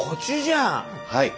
はい。